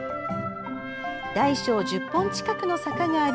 大小１０本近くの坂があり